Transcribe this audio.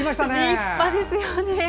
立派ですよね。